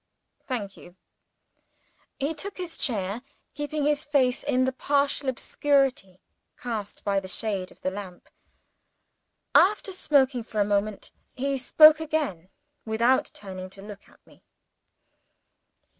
"Thank you." He took his chair keeping his face in the partial obscurity cast by the shade of the lamp. After smoking for a moment, he spoke again, without turning to look at me.